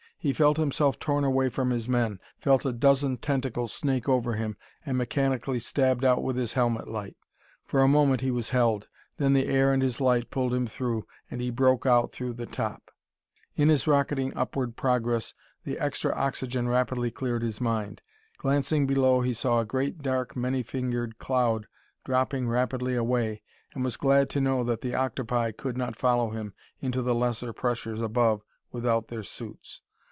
He felt himself torn away from his men, felt a dozen tentacles snake over him, and mechanically stabbed out with his helmet light. For a moment he was held; then the air and his light pulled him through, and he broke out through the top. In his rocketing upward progress the extra oxygen rapidly cleared his mind. Glancing below he saw a great, dark, many fingered cloud dropping rapidly away, and was glad to know that the octopi could not follow him into the lesser pressures above without their suits.